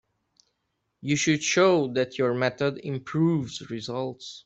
You should show that your method improves results.